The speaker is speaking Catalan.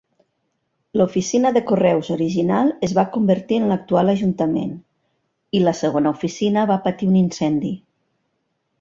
L'oficina de correus original es va convertir en l'actual Ajuntament, i la segona oficina va patir un incendi.